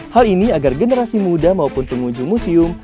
hal ini agar generasi muda maupun pengunjung museum